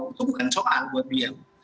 itu bukan soal buat dia